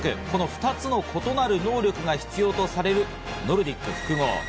この２つの異なる能力が必要とされるノルディック複合。